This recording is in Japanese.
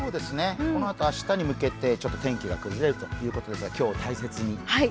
このあと明日に向けてちょっと天気が崩れるということですから今日を大切に。